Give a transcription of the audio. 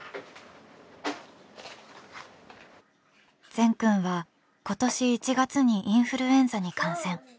善くんは今年１月にインフルエンザに感染。